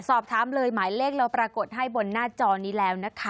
สอบถามเลยหมายเลขเราปรากฏให้บนหน้าจอนี้แล้วนะคะ